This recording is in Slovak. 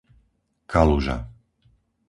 Kaluža